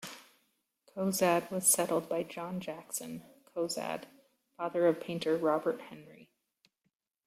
Cozad was settled by John Jackson Cozad, father of painter Robert Henri.